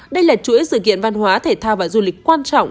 đây là chuỗi sự kiện văn hóa thể thao và du lịch quan trọng